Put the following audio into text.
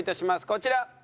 こちら！